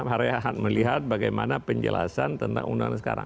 harian melihat bagaimana penjelasan tentang undang undang sekarang